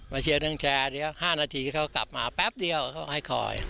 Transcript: เชียร์เรื่องแชร์เดี๋ยว๕นาทีเขากลับมาแป๊บเดียวเขาให้คอย